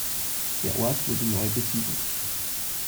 Der Ort wurde neu besiedelt.